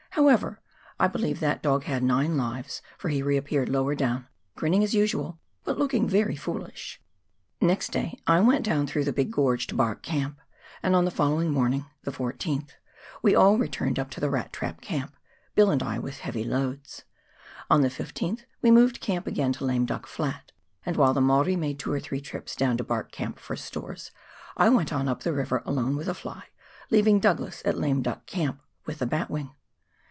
However, I believe that dog had nine lives, for he reappeared lower down, grinning as usual, but looking very foolish ! I^ext day I went down through the big gorge to Bark Camp, and on the following morning (the 14th) we all returned up to the Rat Trap Camp — Bill and I with heavy loads. On the 15th we moved camp again to Lame Duck Flat, and, while the Maori made two or three trips down to Bark Camp for stores, I went on up the river alone with a fly, leaving Douglas at Lame Duck Camp with the batwing.